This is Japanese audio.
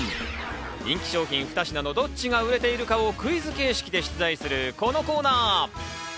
人気商品２品のどっちが売れているかをクイズ形式で出題するこのコーナー。